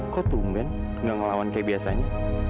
kok tumben gak ngelawan kayak biasanya